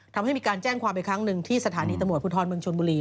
แล้วก็แจ้งความอีกครั้งหนึ่งที่สถานีตรรมวตภูทรเมืองชนบุรี